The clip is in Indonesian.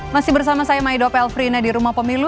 masih bersama saya maido pelfrina di rumah pemilu